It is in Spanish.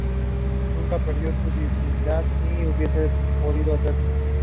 Nunca perdió su divinidad, ni hubiese podido hacerlo.